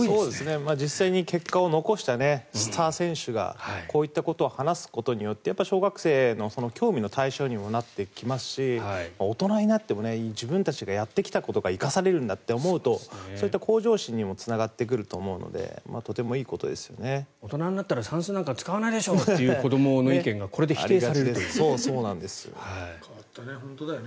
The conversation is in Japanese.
実際に結果を残したスター選手がこういったことを話すことによって小学生の興味の対象にもなってきますし大人になっても自分たちがやってきたことが生かされるんだと思うとそういった向上心にもつながってくると思うので大人になったら算数なんて使わないでしょなんて言う子どもの意見が変わったね、本当だよね。